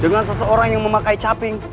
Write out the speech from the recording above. dengan seseorang yang memakai caping